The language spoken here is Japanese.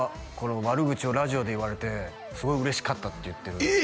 「悪口をラジオで言われてすごい嬉しかった」っていってるえっ！